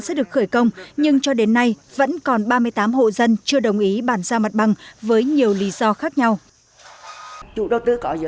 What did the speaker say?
sẽ được khởi công nhưng cho đến nay vẫn còn không được xây dựng